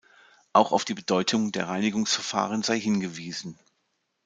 Auch auf die Bedeutung der Reinigungsverfahren sei hingewiesen.